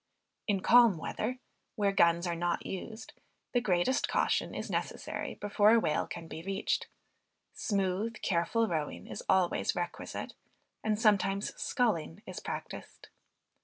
In calm weather, where guns are not used, the greatest caution is necessary before a whale can be reached; smooth careful rowing is always requisite, and sometimes sculling is practiced.